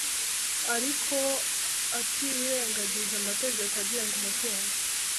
ariko atirengagije amategeko agenga umutungo,